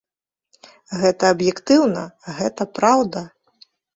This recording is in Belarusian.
Гэта аб'ектыўна, гэта праўда!